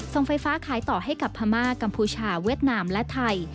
ส่งไฟฟ้าขายต่อให้กับพม่ากัมพูชาเวียดนามและไทย